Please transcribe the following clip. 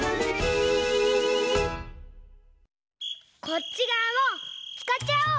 こっちがわもつかっちゃおう！